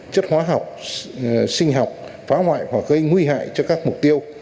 chất hóa học sinh học phá hoại hoặc gây nguy hại cho các mục tiêu